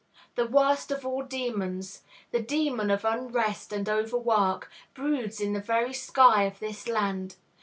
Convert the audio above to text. The worst of all demons, the demon of unrest and overwork, broods in the very sky of this land.